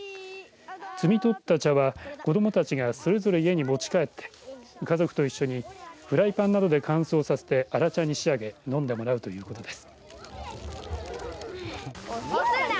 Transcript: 摘み取った茶は子どもたちがそれぞれ家に持ち帰って家族と一緒にフライパンなどで乾燥させて荒茶に仕上げ飲んでもらうということです。